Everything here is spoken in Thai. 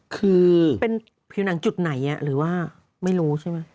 คือเป็นผิวหนังจุดไหนหรือว่าไม่รู้ใช่ไหม